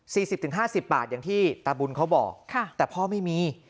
สิบถึงห้าสิบบาทอย่างที่ตาบุญเขาบอกค่ะแต่พ่อไม่มี